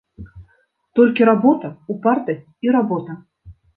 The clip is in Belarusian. Толькі работа, упартасць і работа.